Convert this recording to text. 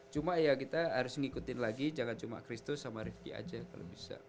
cuma ya kita harus ngikutin lagi jangan cuma kristus sama rifqi aja kalo bisa